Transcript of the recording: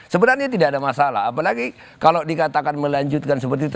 sebenarnya tidak ada masalah apalagi kalau dikatakan melanjutkan seperti itu